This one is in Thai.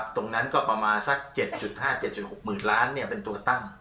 ตรงนั้นก็ประมาณสัก๗๕๗๖๐๐๐ล้านเป็นตัวตั้ง